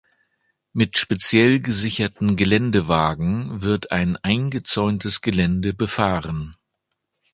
Mit speziell gesicherten Geländewagen wird ein eingezäuntes Gelände befahren.